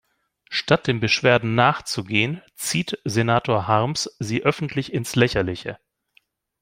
Statt den Beschwerden nachzugehen, zieht Senator Harms sie öffentlich ins Lächerliche.